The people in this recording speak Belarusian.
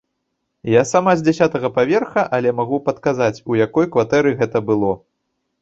Я сама з дзясятага паверха, але магу падказаць, у якой кватэры гэта было.